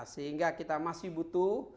sehingga kita masih butuh